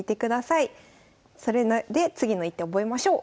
それで次の一手覚えましょう。